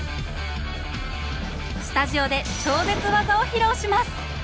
スタジオで超絶技を披露します。